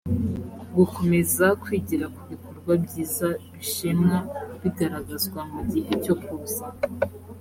gukomeza kwigira ku bikorwa byiza bishimwa bigaragazwa mu gihe cyokuza